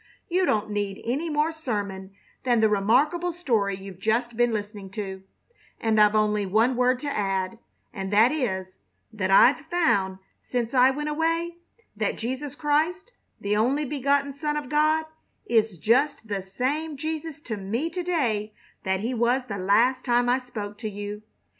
You don't need any more sermon than the remarkable story you've just been listening to, and I've only one word to add; and that is, that I've found since I went away that Jesus Christ, the only begotten Son of God, is just the same Jesus to me to day that He was the last time I spoke to you.